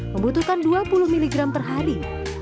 membutuhkan dua puluh miligram per hari